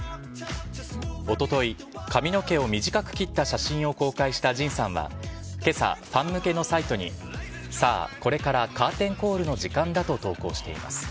おととい、髪の毛を短く切った写真を公開したＪＩＮさんは、けさ、ファン向けのサイトに、さあ、これからカーテンコールの時間だと投稿しています。